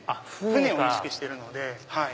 船を意識してるので。